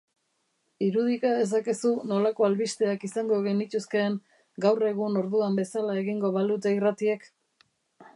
Irudika dezakezu nolako albisteak izango genituzkeen gaur egun orduan bezala egingo balute irratiek?